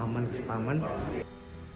kami saling berdialog membangun kesepakatan